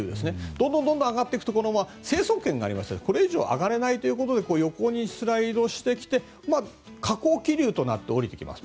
どんどん上がっていくと成層圏がありますけどこれ以上上がれないということで横にスライドしてきて下降気流となって下りてきます。